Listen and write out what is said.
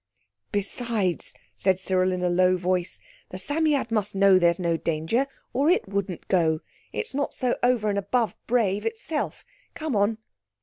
"Besides," said Cyril, in a low voice, "the Psammead must know there's no danger or it wouldn't go. It's not so over and above brave itself. Come on!"